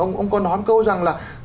ông có nói một câu rằng là